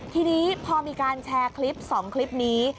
ทีนี้พอมีการแชร์คลิป๒คลิปนี้